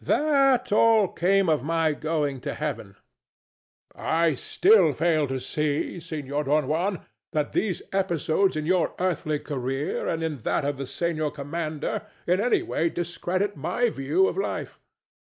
That all came of my going to Heaven. THE DEVIL. I still fail to see, Senor Don Juan, that these episodes in your earthly career and in that of the Senor Commander in any way discredit my view of life.